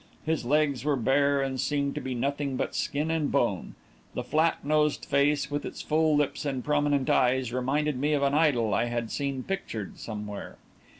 His legs were bare and seemed to be nothing but skin and bone. The flat nosed face, with its full lips and prominent eyes, reminded me of an idol I had seen pictured somewhere.